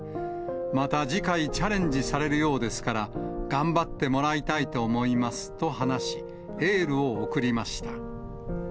また次回チャレンジされるようですから、頑張ってもらいたいと思いますと話し、エールを送りました。